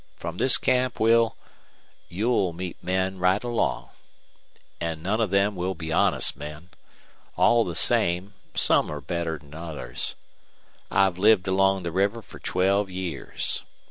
From this camp we'll you'll meet men right along. An' none of them will be honest men. All the same, some are better'n others. I've lived along the river fer twelve years.